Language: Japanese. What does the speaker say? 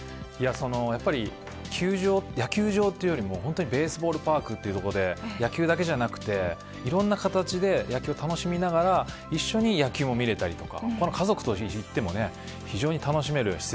やっぱり、野球場というよりもベースボールパークというところで野球だけじゃなくてもいろんな形で野球を楽しみながら一緒に野球も見れたりとか。